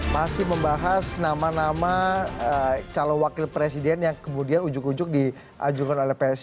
masih membahas nama nama calon wakil presiden yang kemudian ujug ujug diajukan oleh psi